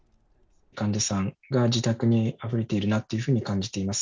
患者さんが自宅にあふれているなというふうに感じています。